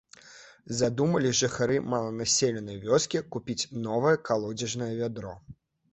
Задумалі жыхары маланаселенай вёскі купіць новае калодзежнае вядро.